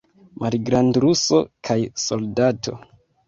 Malgrandruso kaj soldato.